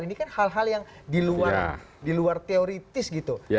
ini kan hal hal yang diluar teoritis gitu